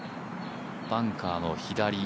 バンカーの左。